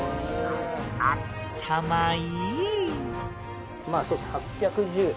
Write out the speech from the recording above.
あったまいい。